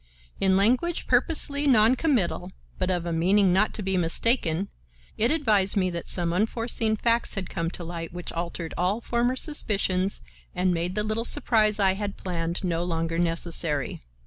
In language purposely non committal, but of a meaning not to be mistaken, it advised me that some unforeseen facts had come to light which altered all former suspicions and made the little surprise I had planned no longer necessary.